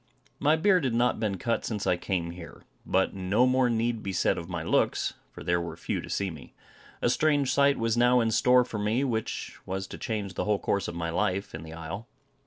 My beard had not been cut since I came here. But no more need be said of my looks, for there were few to see me. A strange sight was now in store for me, which was to change the whole course of my life in the isle.